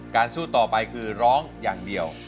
สู้ต่อไปคือร้องอย่างเดียว